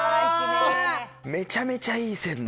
めちゃめちゃいい線だ。